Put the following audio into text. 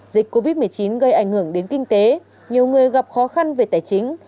dịch covid một mươi chín gây ảnh hưởng đến kinh tế nhiều người gặp khó khăn về tài chính